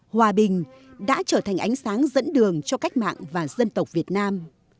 hòa bình đã trở thành ánh sáng dẫn đường cho cách mạng và dân tộc việt nam